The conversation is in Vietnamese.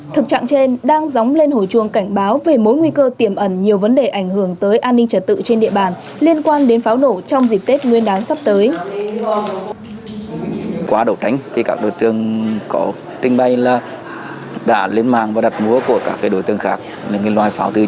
thực trạng trên đang dóng lên hồi chuông cảnh báo về mối nguy cơ tiềm ẩn nhiều vấn đề ảnh hưởng tới an ninh trật tự trên địa bàn liên quan đến pháo nổ trong dịp tết nguyên đán sắp tới